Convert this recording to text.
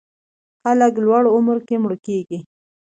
خلک لوړ عمر کې مړه کېږي.